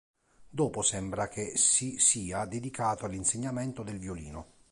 Dopo sembra che si sia dedicato all'insegnamento del violino.